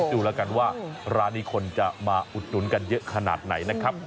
ดูแล้วกันว่าร้านนี้คนจะมาอุดหนุนกันเยอะขนาดไหนนะครับ